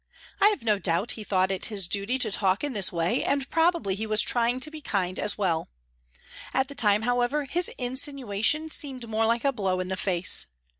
I have no doubt he thought it his duty to talk in this way, and probably he was trying to be kind as well. At the time, however, his insinuation seemed more like a blow in the face.